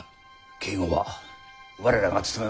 警護は我らが務めまする。